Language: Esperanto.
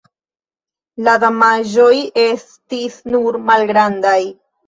La damaĝoj estis nur malgrandaj.